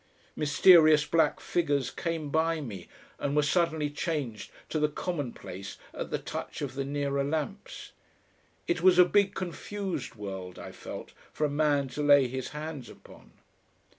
Mysterious black figures came by me and were suddenly changed to the commonplace at the touch of the nearer lamps. It was a big confused world, I felt, for a man to lay his hands upon.